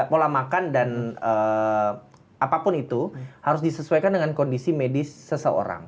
pola makan dan apapun itu harus disesuaikan dengan kondisi medis seseorang